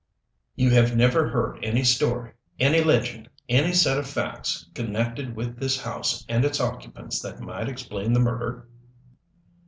"You have never heard any story, any legend any set of facts connected with this house and its occupants that might explain the murder?"